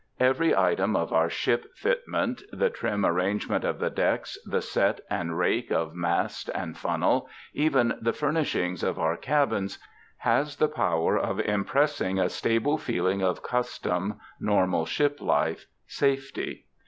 Every item of our ship fitment the trim arrangement of the decks, the set and rake of mast and funnel, even the furnishings of our cabins has the power of impressing a stable feeling of custom, normal ship life, safety.